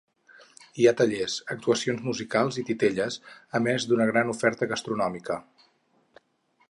Hi ha tallers, actuacions musicals i titelles, a més d’una gran oferta gastronòmica.